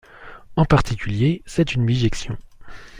En particulier, c'est une bijection.